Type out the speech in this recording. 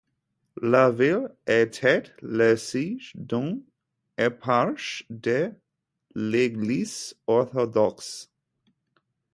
La ville était le siège d'une éparchie de l'Église orthodoxe.